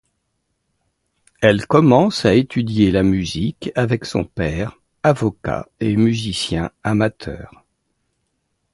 Elle commence à étudier la musique avec son père, avocat et musicien amateur.